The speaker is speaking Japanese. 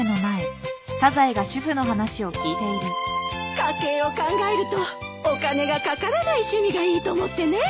家計を考えるとお金がかからない趣味がいいと思ってね。